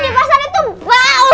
di pasar itu bau